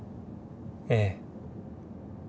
ええ。